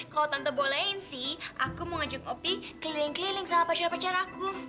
kalo tante bolehin sih aku mau ajak opi keliling keliling sama pacaran pacaran aku